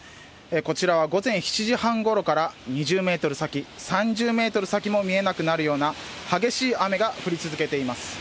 こちらは午前７時半ごろから、２０メートル先、３０メートル先も見えなくなるような激しい雨が降り続けています。